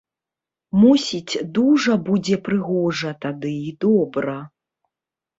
Мусіць, дужа будзе прыгожа тады і добра.